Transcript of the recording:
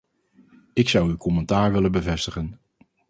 Ik zou uw commentaar willen bevestigen.